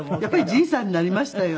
じいさんになりましたよ。